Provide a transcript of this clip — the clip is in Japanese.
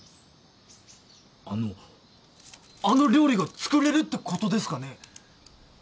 あのあの料理が作れるってことですかね？